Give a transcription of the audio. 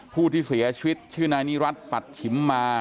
ผู้ที่เสียชีวิตชื่อนายนิรัติปัดฉิมมา